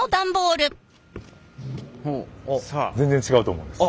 全然違うと思うんです。